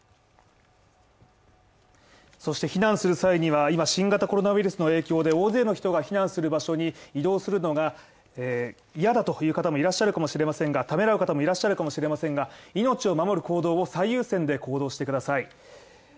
そして避難する際には今新型コロナウイルスの影響で大勢の人が避難する場所に移動するのが嫌だという方もいらっしゃるかもしれませんがためらう方もいらっしゃるかもしれませんが、命を守る行動を最優先で行動してください。